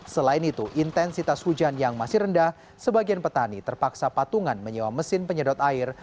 selain itu intensitas hujan yang masih rendah sebagian petani terpaksa patungan menyewa mesin penyedot air